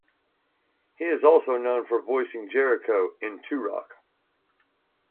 He is also known for voicing Jericho in Turok.